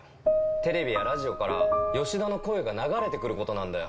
テレビやラジオから吉田の声が流れてくることなんだよ。